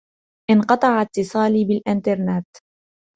انقطع اتصالي بالإنترنت.